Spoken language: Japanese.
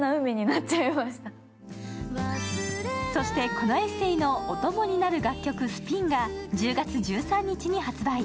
このエッセーのお供になる楽曲「スピン」が１０月１３日に発売。